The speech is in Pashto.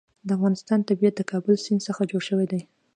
د افغانستان طبیعت له د کابل سیند څخه جوړ شوی دی.